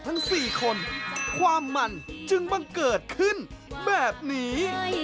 ทั้ง๔คนความมันจึงบังเกิดขึ้นแบบนี้